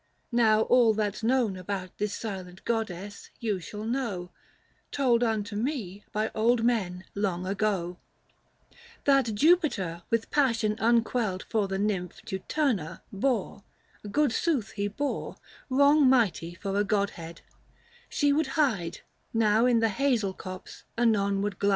Now all that's known About this silent goddess you shall know, Told unto me, by old men, long ago : That Jupiter, with passion un quelled for The Nymph Juturna, bore — good sooth he bore — 625 Wrong mighty for a godhead : she would hide, Now in the hazel copse, anon would glide L.